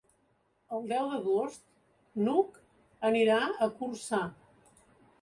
El deu d'agost n'Hug anirà a Corçà.